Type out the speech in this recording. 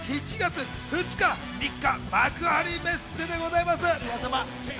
７月２日、３日幕張メッセでございます。